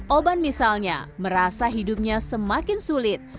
oban misalnya merasa hidupnya semakin sulit